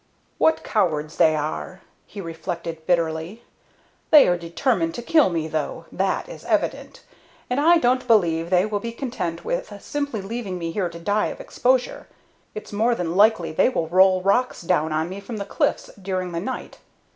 "What cowards they are!" he reflected, bitterly. "They are determined to kill me though, that is evident, and I don't believe they will be content with simply leaving me here to die of exposure. It's more than likely they will roll rocks down on me from the cliffs during the night.